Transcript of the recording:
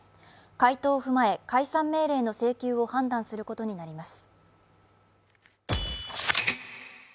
回答を踏まえ、解散命令の請求を判断することになります。